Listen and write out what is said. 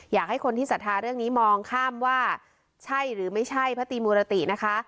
อยากให้คนที่ศรัทธาเรื่องนี้มองข้ามว่าใช่หรือไม่ใช่พระตรีมุรตินะคะ